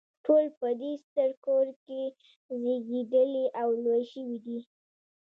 ټول په دې ستر کور کې زیږیدلي او لوی شوي دي.